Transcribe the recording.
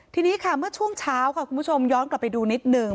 ทีนี้ค่ะเมื่อช่วงเช้าค่ะคุณผู้ชมย้อนกลับไปดูนิดนึง